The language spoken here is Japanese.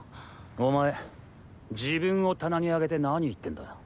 お前自分を棚に上げて何言ってんだ。